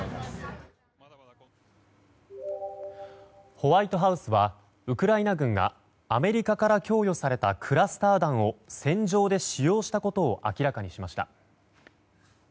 ホワイトハウスはウクライナ軍がアメリカから供与されたクラスター弾を戦場で使用したことを明らかにしました。